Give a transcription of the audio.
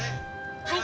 はい！